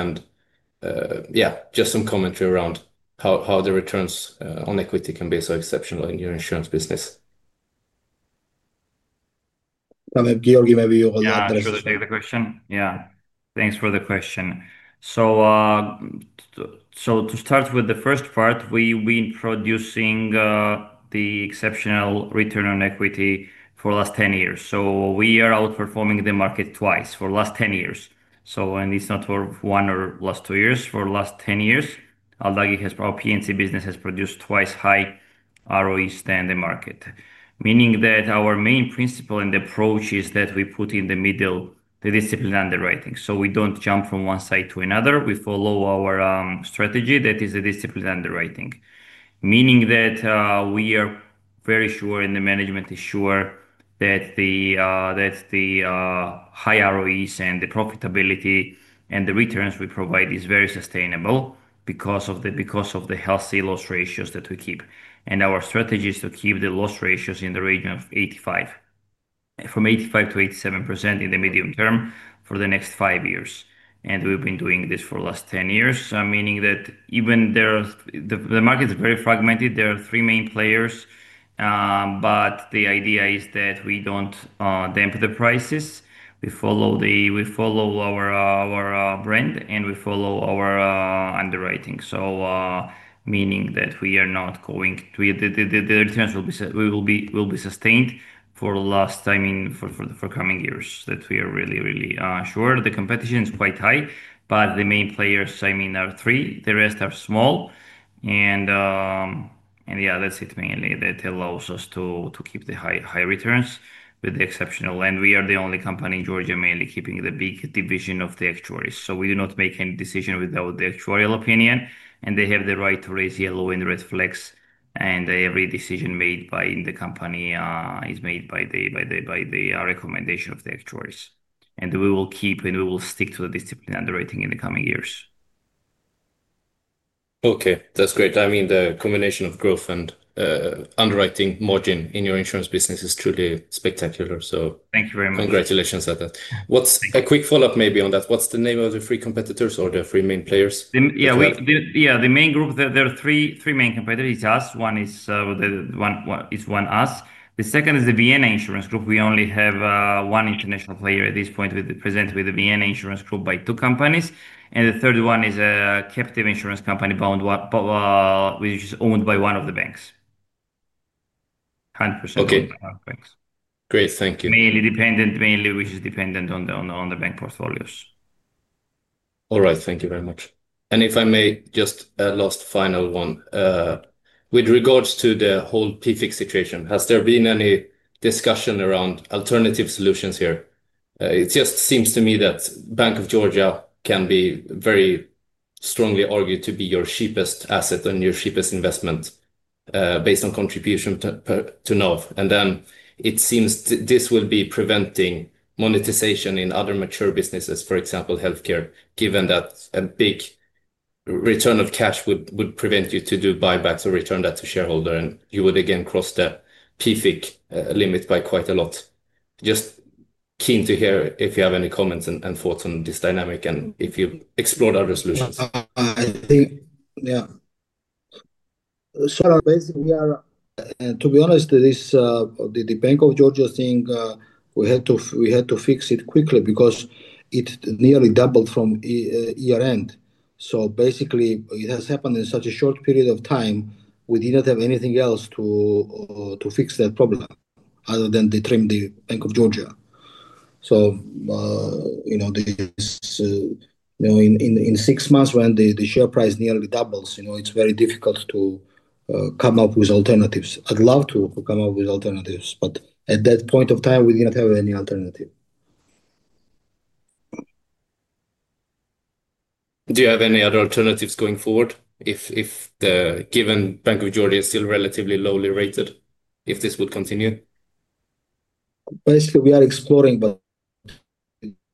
Just some commentary around how the returns on equity can be so exceptional in your insurance business. Giorgi, maybe you want to address. Yeah, I'm going to take the question. Thanks for the question. To start with the first part, we're introducing the exceptional return on equity for the last 10 years. We are outperforming the market twice for the last 10 years, and it's not for one or last two years. For the last 10 years, Aldagi, our P&C business, has produced twice higher ROIs than the market, meaning that our main principle and approach is that we put in the middle the discipline underwriting. We don't jump from one side to another. We follow our strategy. That is the discipline underwriting, meaning that we are very sure, and the management is sure, that the high ROIs and the profitability and the returns we provide are very sustainable because of the healthy loss ratios that we keep. Our strategy is to keep the loss ratios in the region of 85%-87% in the medium term for the next five years. We've been doing this for the last 10 years, meaning that even though the market is very fragmented, there are three main players. The idea is that we don't dampen the prices. We follow our brand and we follow our underwriting, meaning that we are not going to, the returns will be sustained for the forthcoming years that we are really, really sure. The competition is quite high, but the main players are three. The rest are small. That's it mainly that allows us to keep the high returns with the exceptional. We are the only company in Georgia mainly keeping the big division of the actuaries. We do not make any decision without the actuarial opinion, and they have the right to raise yellow and red flags. Every decision made by the company is made by the recommendation of the actuaries. We will keep and we will stick to the discipline underwriting in the coming years. Okay. That's great. I mean, the combination of growth and underwriting margin in your insurance business is truly spectacular. Thank you very much. Congratulations at that. What's a quick follow-up maybe on that? What's the name of the three competitors or the three main players? Yeah, the main group, there are three main competitors. It's us. One is us. The second is the Vienna Insurance Group. We only have one international player at this point present with the Vienna Insurance Group by two companies. The third one is a captive insurance company, which is owned by one of the banks, 100%. Okay, great. Thank you. Mainly dependent, which is dependent on the bank portfolios. All right. Thank you very much. If I may, just a last final one. With regards to the whole PIFIsituation, has there been any discussion around alternative solutions here? It just seems to me that Bank of Georgia can be very strongly argued to be your cheapest asset and your cheapest investment based on contribution to NAV. It seems that this will be preventing monetization in other mature businesses, for example, healthcare, given that a big return of cash would prevent you from doing buybacks or returning that to shareholders. You would again cross the PIFIX limit by quite a lot. Just keen to hear if you have any comments and thoughts on this dynamic and if you've explored other solutions. I think, yeah. Basically, we are, to be honest, the Bank of Georgia thing we had to fix quickly because it nearly doubled from year-end. It has happened in such a short period of time. We did not have anything else to fix that problem other than to trim the Bank of Georgia. In six months when the share price nearly doubles, it's very difficult to come up with alternatives. I'd love to come up with alternatives, but at that point of time, we did not have any alternative. Do you have any other alternatives going forward if the given Bank of Georgia is still relatively lowly rated, if this would continue? Basically, we are exploring, but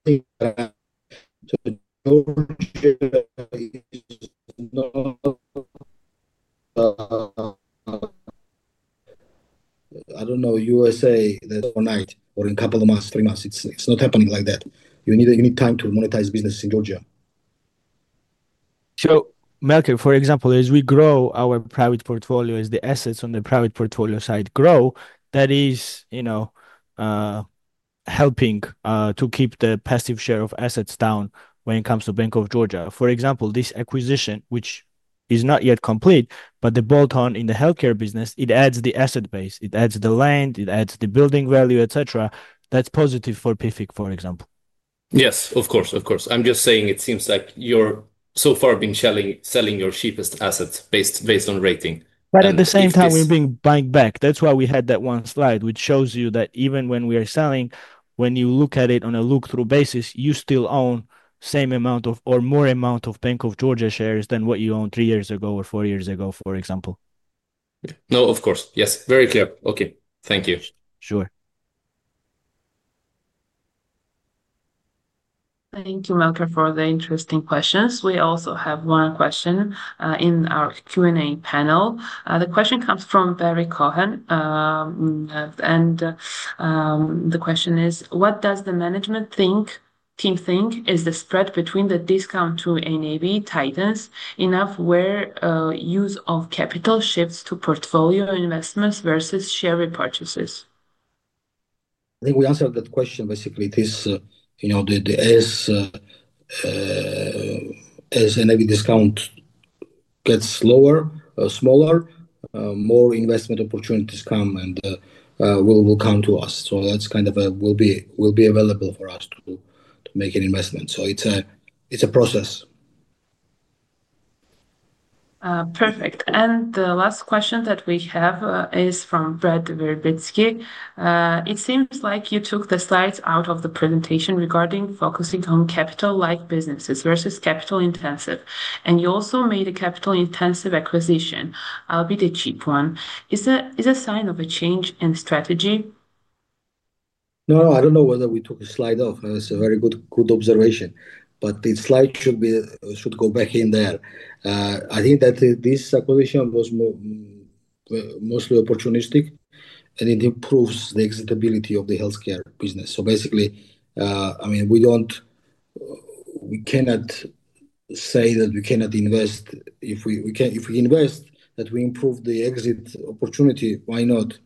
Georgia is not, I don't know, USA. That overnight or in a couple of months, three months, it's not happening like that. You need time to monetize business in Georgia. For example, as we grow our private portfolio, as the assets on the private portfolio side grow, that is helping to keep the passive share of assets down when it comes to Bank of Georgia. For that. This acquisition, which is not yet complete, but the bolt-on in the healthcare business, it adds the asset base. It adds the land, it adds the building value, etc. That's positive for PIFIX, for example. Yes, of course. I'm just saying it seems like you've so far been selling your cheapest assets based on rating. At the same time, we're being banked back. That's why we had that one slide, which shows you that even when we are selling, when you look at it on a look-through basis, you still own the same amount of or more amount of Bank of Georgia shares than what you owned three years ago or four years ago, for example. No, of course. Yes, very clear. Okay, thank you. Sure. Thank you, Malcolm, for the interesting questions. We also have one question in our Q&A panel. The question comes from Barry Cohen. The question is, what does the management team think is the spread between the discount to NAV tightness enough where use of capital shifts to portfolio investments versus share repurchases? I think we answered that question. Basically, it is, you know, as NAV discount gets lower, smaller, more investment opportunities come and will come to us. That's kind of a will be available for us to make an investment. It's a process. Perfect. The last question that we have is from Brad Verbitsky. It seems like you took the slides out of the presentation regarding focusing on capital-like businesses versus capital-intensive. You also made a capital-intensive acquisition. I'll be the cheap one. Is that a sign of a change in strategy? No, I don't know whether we took a slide off. That's a very good observation. The slide should go back in there. I think that this acquisition was mostly opportunistic, and it improves the exitability of the healthcare business. Basically, I mean, we cannot say that we cannot invest. If we invest, that we improve the exit opportunity, why not?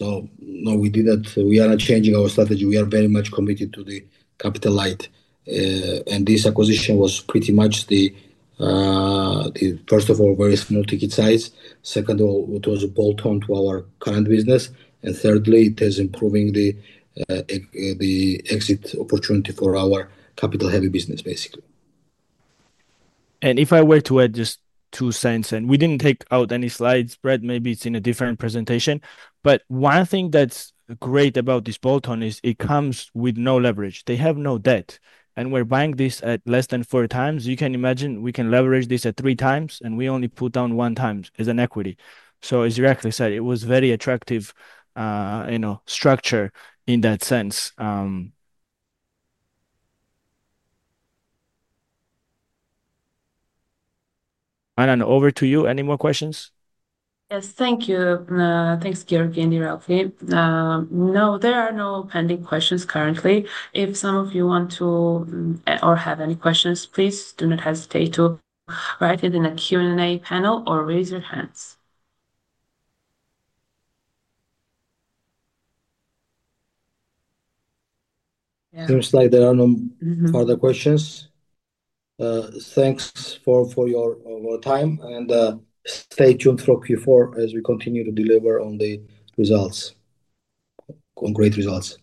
We did that. We are not changing our strategy. We are very much committed to the capital-like. This acquisition was pretty much, first of all, very small ticket size. Second of all, it was a bolt-on to our current business. Thirdly, it is improving the exit opportunity for our capital-heavy business, basically. If I were to add just two cents, we didn't take out any slides, Brad, maybe it's in a different presentation. One thing that's great about this bolt-on is it comes with no leverage. They have no debt, and we're buying this at less than 4x. You can imagine we can leverage this at 3x, and we only put down one time as equity. As you rightly said, it was a very attractive structure in that sense. I don't know. Over to you. Any more questions? Yes, thank you. Thanks, Giorgi and Irakli. No, there are no pending questions currently. If some of you want to or have any questions, please do not hesitate to write it in the Q&A panel or raise your hands. It seems like there are no further questions. Thanks for your time and stay tuned for Q4 as we continue to deliver on the results. On great results. Thank you.